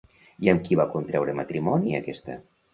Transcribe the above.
I amb qui va contreure matrimoni aquesta?